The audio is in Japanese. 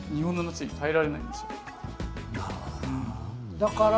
だから？